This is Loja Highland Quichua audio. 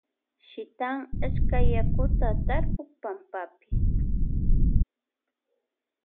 Shitan ashtaka wakuta tarpuk pampapi.